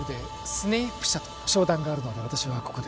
スネイプ社と商談があるので私はここで